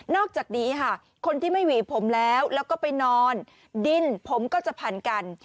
อกจากนี้ค่ะคนที่ไม่หวีผมแล้วแล้วก็ไปนอนดินผมก็จะพันกัน